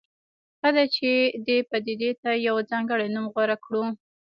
ښه ده چې دې پدیدې ته یو ځانګړی نوم غوره کړو.